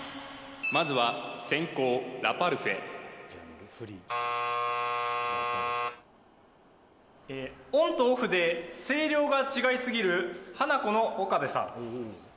まずはオンとオフで声量が違いすぎるハナコの岡部さん